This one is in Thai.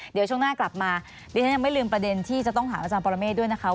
เดี๋ยวฉันยังไม่ลืมประเด็นที่จะต้องถามอาจารย์ปรเมฆด้วยนะคะ